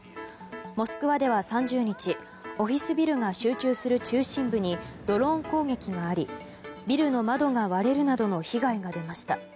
モスクワでは３０日オフィスビルが集中する中心部にドローン攻撃がありビルの窓が割れるなどの被害が出ました。